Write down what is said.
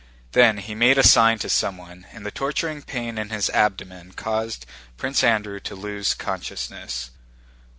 Then he made a sign to someone, and the torturing pain in his abdomen caused Prince Andrew to lose consciousness.